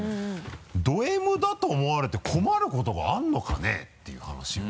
ドＭだと思われて困ることがあるのかね？っていう話よ。